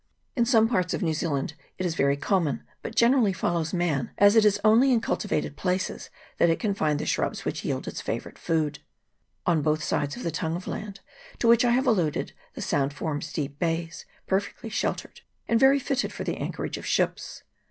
In some parts of New Zealand it is very common, but generally follows man, as it is only in cultivated places that it can find the shrubs which yield its favourite food. On both sides of the tongue of land to which I have alluded, the Sound forms deep bays, perfectly sheltered, and very fitted for the anchorage of ships.